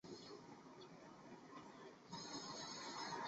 承认一个政府意味着隐式承认它所统治的国家。